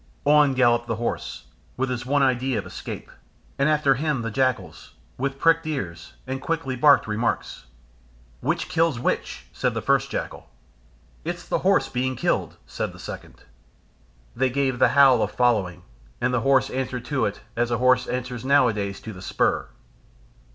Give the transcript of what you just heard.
On galloped the horse, with his one idea of escape, and after him the jackals, with pricked ears and quickly barked remarks. "Which kills which?" said the first jackal. "It's the horse being killed," said the second. They gave the howl of following, and the horse answered to it as a horse answers nowadays to the spur.